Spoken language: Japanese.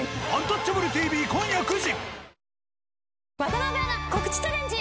渡邊アナ、告知チャレンジ。